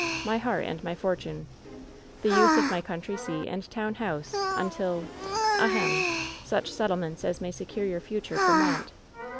My heart and my fortune. The use of my country seat and town house until — ahem I — such settlements as may secure your future from want.